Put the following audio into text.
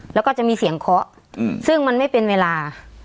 แล้วก็จะมีเสียงเคาะซึ่งมันไม่เป็นเวลา